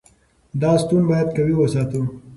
دا ستون باید قوي وساتو.